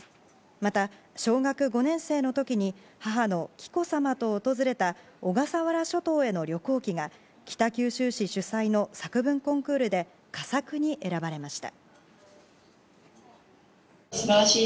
また小学５年生の時に母の紀子さまと訪れた小笠原諸島への旅行記が北九州市主催の作文コンクールで、佳作に選ばれました。